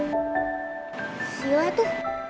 nah sila tuh